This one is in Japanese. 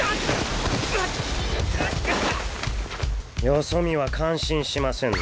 よそ見は感心しませんね。